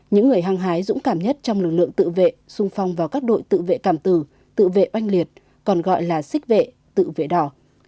những người hăng hái dũng cảm nhất trong lực lượng tự vệ sung phong và các đội tự vệ cảm tử tự vệ oanh liệt còn gọi là xích vệ tự vệ đỏ